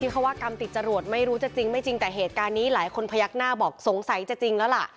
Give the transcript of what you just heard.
เขาว่ากรรมติดจรวดไม่รู้จะจริงไม่จริงแต่เหตุการณ์นี้หลายคนพยักหน้าบอกสงสัยจะจริงแล้วล่ะ